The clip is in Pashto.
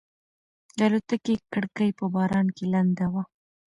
د الوتکې کړکۍ په باران کې لنده وه.